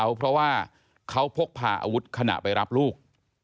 เพราะว่าเขาพกพาอาวุธขณะไปรับลูก